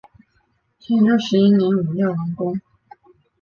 天佑十一年五月完工。